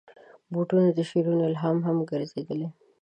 بوټونه د شعرونو الهام هم ګرځېدلي.